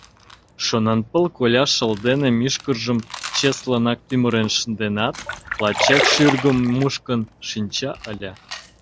Шонанпыл коля шыл дене мӱшкыржым чеслынак тӱмырен шынденат, лачак шӱргым мушкын шинча ыле.